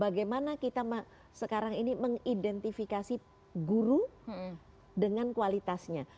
bagaimana kita sekarang ini mengidentifikasi guru dengan kualitasnya